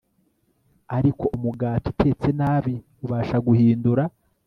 ariko umugati utetse nabi ubasha guhindura